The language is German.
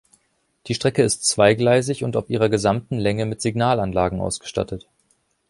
Die Strecke ist zweigleisig und auf ihrer gesamten Länge mit Signalanlagen ausgestattet.